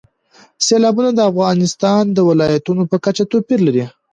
سیلابونه د افغانستان د ولایاتو په کچه توپیر لري.